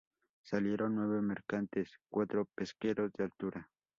salieron nueve mercantes, cuatro pesqueros de altura